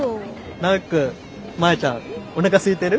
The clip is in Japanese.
ナオキ君マヤちゃんおなかすいてる？